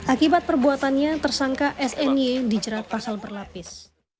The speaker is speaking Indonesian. akibat perbuatannya tersangka sny dijerat pasal berlapis